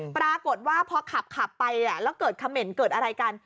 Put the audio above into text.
ปรากฏว่าพอขับไปแล้วเกิดเขม่นเกิดอะไรกัน